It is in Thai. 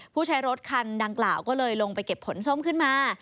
ผู้ใช้รถคันดังกล่าวก็เลยลงไปเก็บผลส้มขึ้นมา